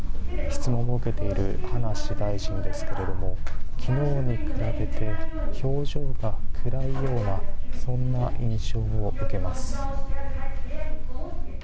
質問を受けている葉梨大臣ですけども昨日に比べて表情が暗いようなそんな印象を受けます。